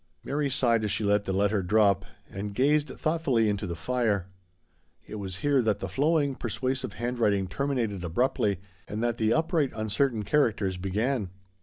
Mary sighed as she let the letter drop, and gazed thoughtfully into the fire. It was here that the flowing persuasive handwriting ter minated abruptly, and that the upright uncer tain character began.